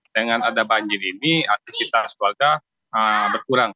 dengan ada banjir ini aktivitas warga berkurang